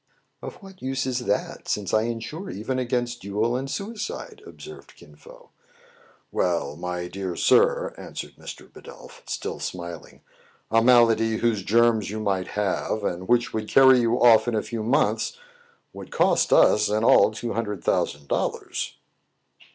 "Of what use is that, since I insure even against duel and suicide }" observed Kin Fo. "Well, my dear sir," answered Mr. Bidulph, still smiling, "a malady whose germs you might have, and which would carry you off in a few months, would cost us in all two hundred thou sand dollars."